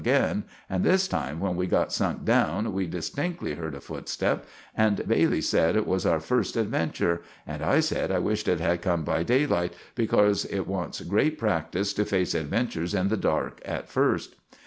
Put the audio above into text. again, and this time, when we had sunk down, we distinkly herd a footstep, and Bailey sed it was our first adventure, and I sed I wished it had come by daylight, becorse it wants grate practise to face adventures in the dark at first.